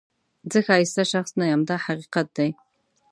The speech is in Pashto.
زه ښایسته شخص نه یم دا حقیقت دی.